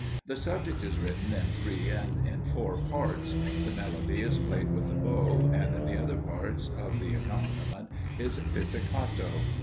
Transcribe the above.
The subject is written in three and in four parts; the melody is played with the bow, and the other parts of the accompaniment is pizzicato.